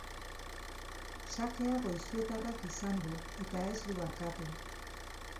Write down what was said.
Sakea goizuetarrak izan du, eta ez du barkatu.